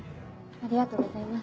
ありがとうございます。